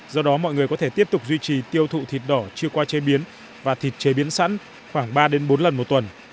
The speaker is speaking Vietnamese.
do đó mọi người có thể tiếp tục duy trì tiêu thụ thịt đỏ chưa qua chế biến và thịt chế biến sẵn khoảng ba bốn lần một tuần